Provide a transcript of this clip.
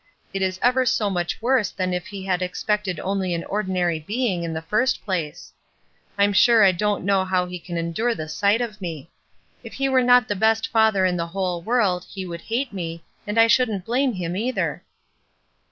It is ever so much worse than if he had expected only an ordinary being in the first place. I'm sure I don't know how he can endure the sight of me. If he were not the best father in the whole world, he would hate me, and I shouldn't blame him, either."